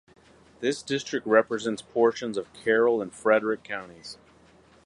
This district represents portions of Carroll and Frederick Counties.